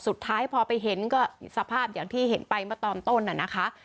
สุดท้ายพอไปเห็นก็สภาพอย่างที่เห็นไปเมื่อตอนต้นน่ะนะคะ